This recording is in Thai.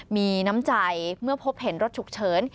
มีน้ำใจเมื่อพบเห็นรถฉุกเฉิน